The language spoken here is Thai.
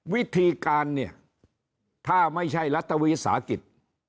วิธีการเนี่ยถ้าไม่ใช่ละตะวีร์ศาสตร์กิจ